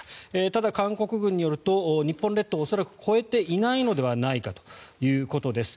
ただ、韓国軍によると日本列島を恐らく越えていないのではないかということです。